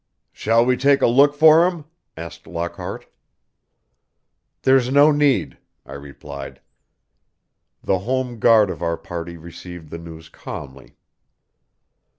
"Shall we take a look for 'em?" asked Lockhart. "There's no need," I replied. The home guard of our party received the news calmly.